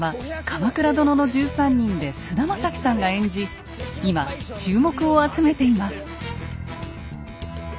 「鎌倉殿の１３人」で菅田将暉さんが演じ今注目を集めています。